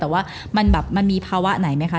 แต่ว่ามันมีภาวะไหนไหมคะ